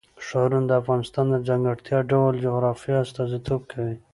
ښارونه د افغانستان د ځانګړي ډول جغرافیه استازیتوب کوي.